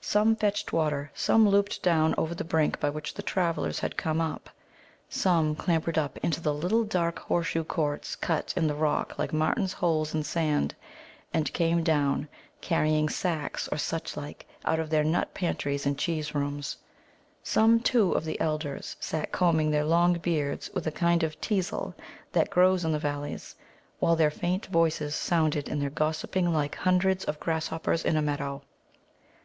Some fetched water, some looped down over the brink by which the travellers had come up. Some clambered up into little dark horseshoe courts cut in the rock like martins' holes in sand, and came down carrying sacks or suchlike out of their nut pantries and cheese rooms. Some, too, of the elders sat combing their long beards with a kind of teasel that grows in the valleys, while their faint voices sounded in their gossiping like hundreds of grasshoppers in a meadow.